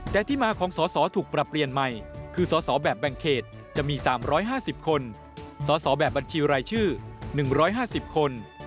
แต่ที่มาของสอสอถูกปรับเปลี่ยนใหม่คือสอสอแบบแบ่งเขตจะมี๓๕๐คนสสแบบบัญชีรายชื่อ๑๕๐คน